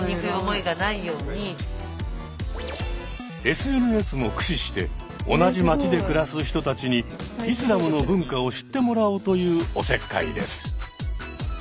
ＳＮＳも駆使して同じ街で暮らす人たちにイスラムの文化を知ってもらおうというおせっかいです。